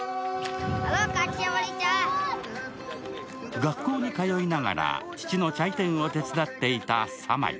学校に通いながら父のチャイ店を手伝っていたサマイ。